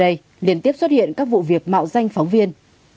đây liên tiếp xuất hiện các vụ việc mạo danh phóng viên